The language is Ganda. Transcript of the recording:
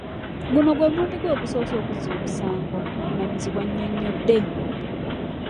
'Guno gwe mulundi gwe ogusoose okuzza omusango,” omulamuzi bw'annyonnyodde.